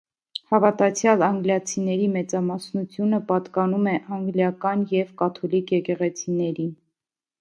Հավատացյալ անգլիացիների մեծամասնությունը պատկանում է անգլիկան և կաթոլիկ եկեղեցիներին։